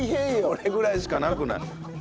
それぐらいしかなくない？